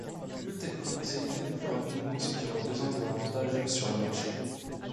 Il peut être commercialisé plus rapidement ce qui représente un avantage sur le marché.